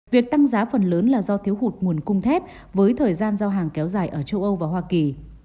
việc tăng giá phần lớn là do thiếu hụt nguồn cung thép với thời gian giao hàng kéo dài ở châu âu và hoa kỳ